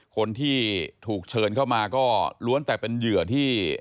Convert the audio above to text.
คนที่ถูกเชิญเข้ามาก็ล้วนแต่เป็นเหยื่อที่